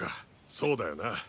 そうだよな。